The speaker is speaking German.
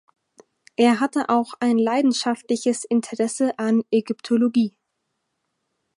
Er hatte auch ein leidenschaftliches Interesse an Ägyptologie.